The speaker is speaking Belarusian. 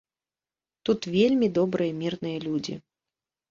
Тут вельмі добрыя мірныя людзі.